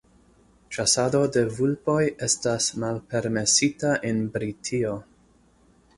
ĉasado de vulpoj estas malpermesita en Britio.